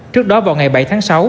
trước đó vào ngày bảy tháng sáu